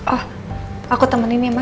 oh aku temenin ya mbak